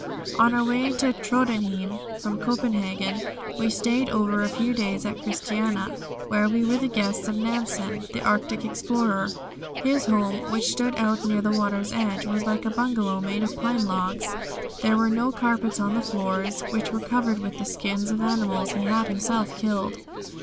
On our way to Tröndhjem from Copenhagen we stayed over a few days at Christiania, where we were the guests of Nansen, the Arctic explorer. His home, which stood out near the water's edge, was like a bungalow made of pine logs. There were no carpets on the floors, which were covered with the skins of animals he had himself killed.